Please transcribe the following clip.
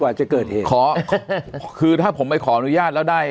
อาจจะเกิดเหตุขอคือถ้าผมไปขออนุญาตแล้วได้